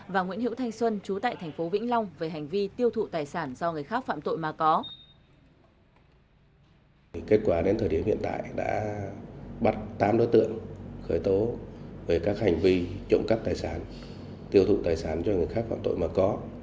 và nguyễn hiễu thanh xuân chú tại tp vĩnh long về hành vi tiêu thụ tài sản do người khác phạm tội mà có